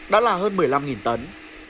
đã là hơn một mươi năm tấn